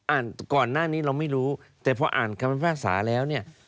ก่อนหน้านี้เราไม่รู้แต่พออ่านคำพิพากษาแล้วเนี่ย